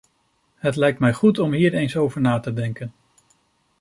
Het lijkt me goed om hier eens over na te denken.